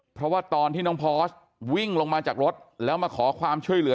เพราะว่าตอนที่น้องพอสวิ่งลงมาจากรถแล้วมาขอความช่วยเหลือ